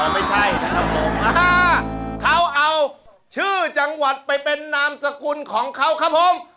ไม่ใช่นะครับผมเขาเอาชื่อจังหวัดไปเป็นนามสกุลของเขาครับผม